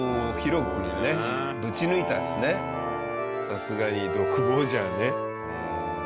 さすがに独房じゃね。